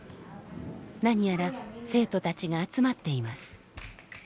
何やら生徒たちが集まっています。